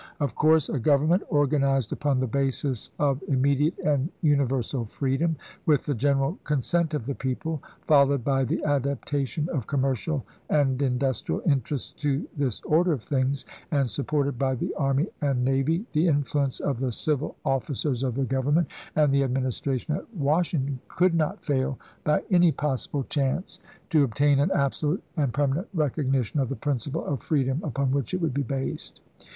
Of course a government organized upon the basis of immediate and universal freedom, with the general consent of the people, followed by the adaptation of commercial and industrial interests to this order of things, and supported by the army and navy, the influence of the civil officers of the Grovernment, and the Administration at Washington, could not fail by any possible chance to obtain an absolute and per manent recognition of the principle of freedom upon which it would be based.